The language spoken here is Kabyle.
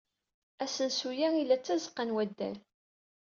Asensu-a ila tazeɣɣa n waddal?